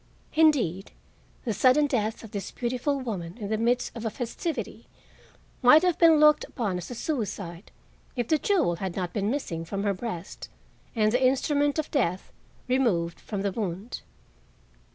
Indeed, the sudden death of this beautiful woman in the midst of festivity might have been looked upon as suicide, if the jewel had not been missing from her breast and the instrument of death removed from the wound.